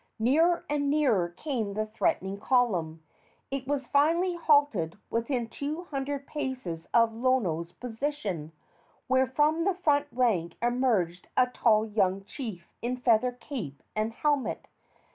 Nearer and nearer came the threatening column. It was finally halted within two hundred paces of Lono's position, when from the front rank emerged a tall young chief in feather cape and helmet.